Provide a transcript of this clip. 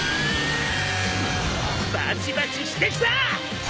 バチバチしてきた！